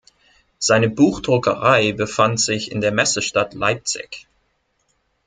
Seine Buchdruckerei befand sich in der Messestadt Leipzig.